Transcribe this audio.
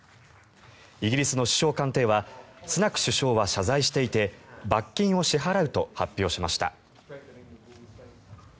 イギリスの首相官邸はスナク首相は謝罪していて罰金を支払うと発表しました。